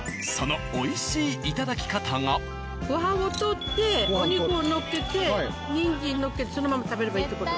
そのご飯を取ってお肉をのっけてにんじんのっけてそのまま食べればいいって事。